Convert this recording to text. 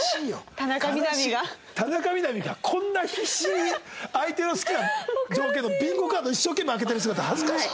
田中みな実がこんな必死に相手の好きな条件のビンゴカード一生懸命開けてる姿恥ずかしい。